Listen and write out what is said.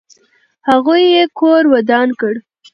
هغوی یې کور ودان کړ.